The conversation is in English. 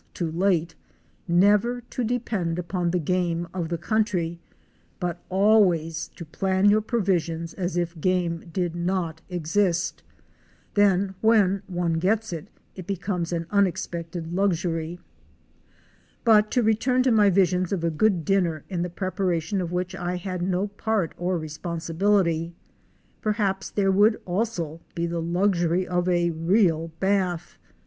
'oo late — never to depend upon the game of the country, but always to plan your provisions as if game did not exist. Then when one gets it, it comes as an unexpected luxury. But to return to my visions of a good dinner in the prepara tion of which I had no part or responsibility. Perhaps there would also be the luxury of a real bath.